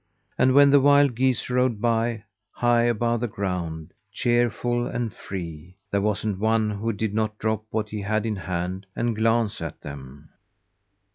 And when the wild geese rode by, high above the ground, cheerful and free, there wasn't one who did not drop what he had in hand, and glance at them.